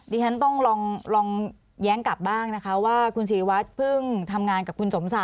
ใช่ครับ